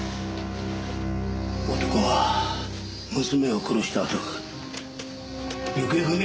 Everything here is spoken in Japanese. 男は娘を殺したあと行方不明になっていた。